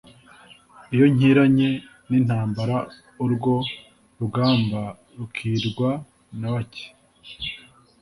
iyo nkiranye n’intambara urwo rugamba rukirwa na bake